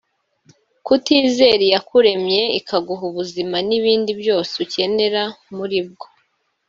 Kutizera iyakuremye ikaguha ubuzima n’ibindi byose ukenera muri bwo